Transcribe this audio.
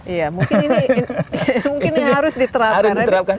iya mungkin ini harus diterapkan